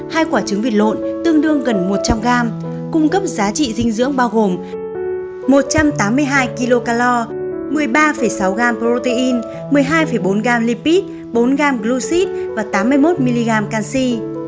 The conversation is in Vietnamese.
hai quả trứng vịt lộn tương đương gần một trăm linh gram cung cấp giá trị dinh dưỡng bao gồm một trăm tám mươi hai kg một mươi ba sáu gram protein một mươi hai bốn gram lipid bốn gam glusid và tám mươi một mg canxi